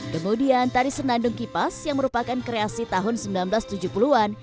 kemudian tari senandung kipas yang merupakan kreasi tahun seribu sembilan ratus tujuh puluh an